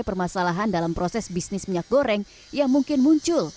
permasalahan dalam proses bisnis minyak goreng yang mungkin muncul